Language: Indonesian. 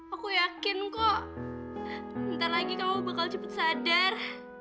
aku yakin kok ntar lagi kamu bakal cepet sadar